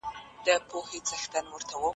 زما په زړه باندې لمبه راځي او ټکه راځي